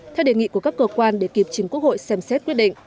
theo đề nghị của các cơ quan để kịp chính quốc hội xem xét quyết định